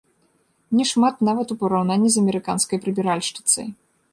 Не шмат нават у параўнанні з амерыканскай прыбіральшчыцай.